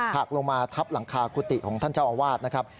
หักลงมาทับหลังคากุฏิของท่านเจ้าอาวาสนะครับ